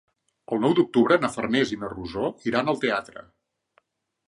El nou d'octubre na Farners i na Rosó iran al teatre.